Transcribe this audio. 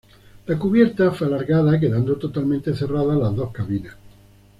La cubierta fue alargada, quedando totalmente cerradas las dos cabinas.